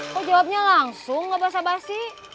kok jawabnya langsung gak basah basih